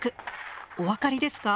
お分かりですか？